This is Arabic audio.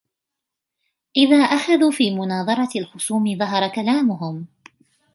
إذَا أَخَذُوا فِي مُنَاظَرَةِ الْخُصُومِ ظَهَرَ كَلَامُهُمْ